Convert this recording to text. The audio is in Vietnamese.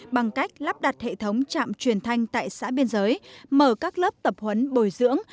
bằng cách lắp đặt hệ thống trạm truyền thanh tại xã biên giới mở các lớp tập huấn bồi dưỡng